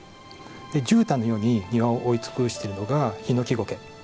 じゅうたんのように庭を覆い尽くしているのがヒノキゴケ。